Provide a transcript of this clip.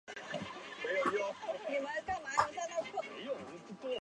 以下是赤道畿内亚的机场列表。